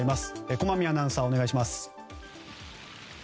駒見アナウンサーお願いします。